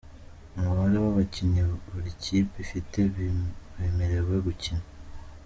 Umubare w’abakinnyi buri kipe ifite bemerewe gukina:.